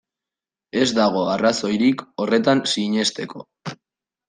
Ez dago arrazoirik horretan sinesteko.